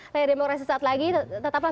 layar demokrasi saat lagi tetaplah